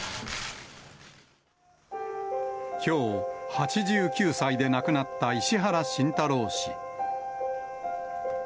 きょう、８９歳で亡くなった石原慎太郎氏。